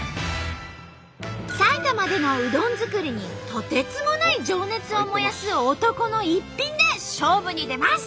埼玉でのうどん作りにとてつもない情熱を燃やす男の一品で勝負に出ます。